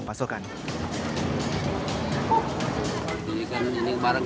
hai nanti hari ini baru